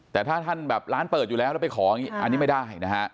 แต่ถ้าท่านแบบร้านเปิดอยู่แล้วแล้วไปขออย่างนี้ไม่ได้นะฮะ